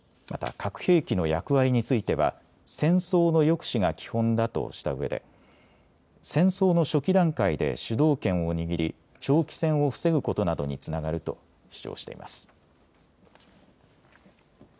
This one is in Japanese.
また核兵器の役割については戦争の抑止が基本だとしたうえで戦争の初期段階で主導権を握り長期戦を防ぐことなどにつながると主張しています。